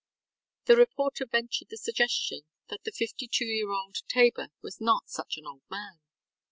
ŌĆØ The reporter ventured the suggestion that the fifty two year old Tabor was not such an old man.